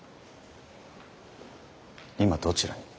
今どちらに？